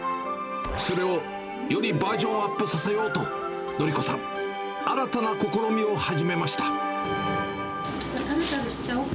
それをよりバージョンアップさせようと、徳子さん、新たな試みを始めました。